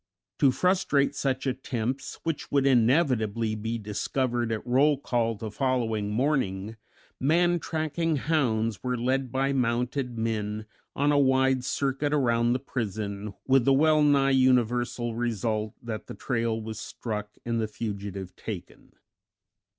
To frustrate such attempts, which would inevitably be discovered at roll call the following morning, man tracking hounds were led by mounted men on a wide circuit around the prison, with the well nigh universal result that the trail was struck and the fugitive taken.